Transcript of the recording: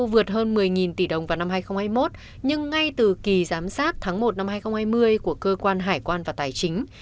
vượt hơn một mươi tỷ đồng vào năm hai nghìn hai mươi một nhưng ngay từ kỳ giám sát tháng một năm hai nghìn hai mươi của cơ quan hải quan và tài chính